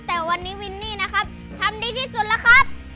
แต่วันนี้วินนี่นะครับทำดีที่สุดแล้วครับ